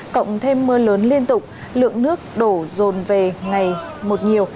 cộng thêm mưa lớn liên tục lượng nước đổ rồn về ngày một nhiều